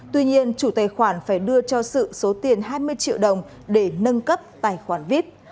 tuy nhiên chủ tài khoản phải đưa cho sự số tiền hai mươi triệu đồng để nâng cấp tài khoản vip